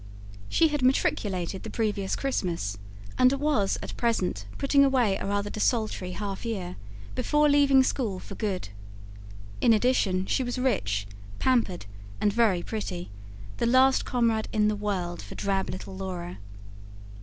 She had matriculated the previous Christmas, and was at present putting away a rather desultory half year, before leaving school for good. In addition, she was rich, pampered and very pretty the last comrade in the world for drab little Laura.